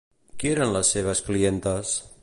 Qui eren les seves clientes?